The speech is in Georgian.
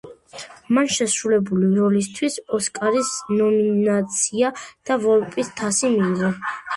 მან შესრულებული როლისთვის ოსკარის ნომინაცია და ვოლპის თასი მიიღო.